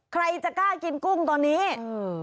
ใครจะกล้ากินกุ้งตอนนี้อืม